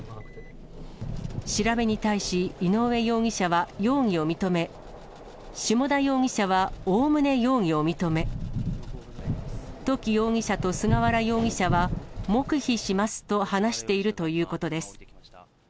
調べに対し井上容疑者は容疑を認め、下田容疑者はおおむね容疑を認め、土岐容疑者と菅原容疑者は黙秘しますと話しているということです。